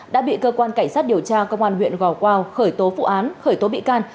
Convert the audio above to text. đã bị cơ quan cảnh sát điều tra công an huyện gò quao khởi tố vụ án khởi tố bị can